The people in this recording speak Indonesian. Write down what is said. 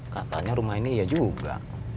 katanya rumah ini ya juga